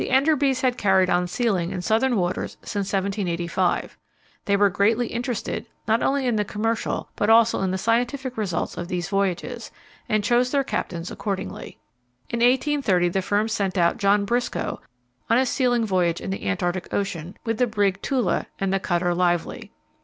The Enderbys had carried on sealing in southern waters since 1785. They were greatly interested, not only in the commercial, but also in the scientific results of these voyages, and chose their captains accordingly. In 1830 the firm sent out John Biscoe on a sealing voyage in the Antarctic Ocean with the brig Tula and the cutter Lively.